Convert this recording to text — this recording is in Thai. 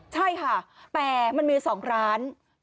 ใช่ค่ะแต่มันมี๒ร้าน